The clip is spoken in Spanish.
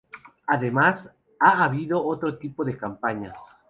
Además, ha habido otro tipo de campañas.